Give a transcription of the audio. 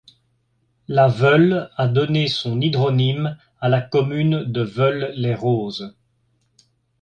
La Veules a donné son hydronyme à la commune de Veules-les-Roses.